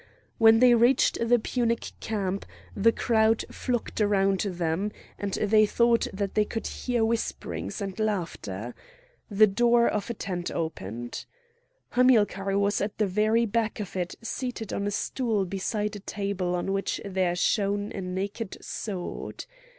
When they reached the Punic camp the crowd flocked around them, and they thought that they could hear whisperings and laughter. The door of a tent opened. Hamilcar was at the very back of it seated on a stool beside a table on which there shone a naked sword.